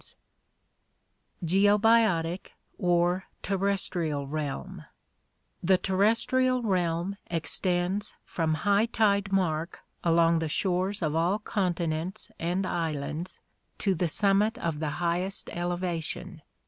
BATHYMETRIC DISTRIBUTION 69 Geobiotic or Terrestrial Realm The terrestrial realm extends from high tide mark along the shores of all continents and islands to the summit of the highest elevation.